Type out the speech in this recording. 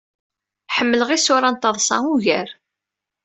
Ḥemmleɣ isura n teḍṣa ugar.